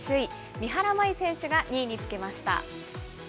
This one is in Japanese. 三原舞依選手が２位につけました。